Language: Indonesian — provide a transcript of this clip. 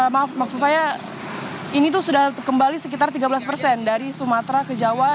maaf maksud saya ini tuh sudah kembali sekitar tiga belas persen dari sumatera ke jawa